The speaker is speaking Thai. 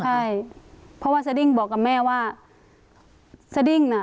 ใช่เพราะว่าสดิ้งบอกกับแม่ว่าสดิ้งน่ะ